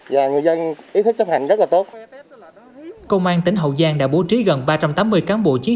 và người dân ý thức chấp hành rất là tốt công an tỉnh hậu giang đã bố trí gần ba trăm tám mươi cán bộ chiến